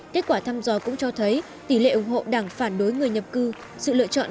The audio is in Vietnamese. kết quả thăm dò cũng cho thấy tỷ lệ ủng hộ đảng phản đối người nhập cư sự lựa chọn